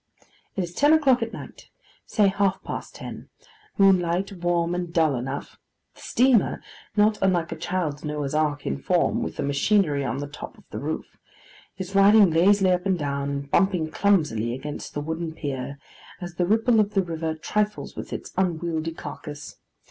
It is ten o'clock at night: say half past ten: moonlight, warm, and dull enough. The steamer (not unlike a child's Noah's ark in form, with the machinery on the top of the roof) is riding lazily up and down, and bumping clumsily against the wooden pier, as the ripple of the river trifles with its unwieldy carcase.